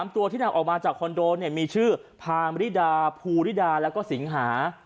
ตัวที่นำออกมาจากคอนโดมีชื่อพามริดาภูริดาแล้วก็สิงหา